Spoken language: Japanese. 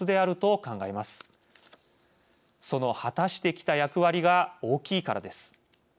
その果たしてきた役割が大きいからです。